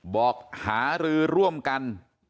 บอกหารือร่วมกัน